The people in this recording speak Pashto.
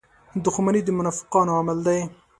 • دښمني د منافقانو عمل دی.